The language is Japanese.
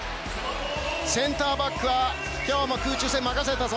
センターバックは今日も空中戦任せたぞ！